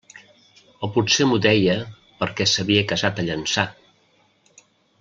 O potser m'ho deia perquè s'havia casat a Llançà.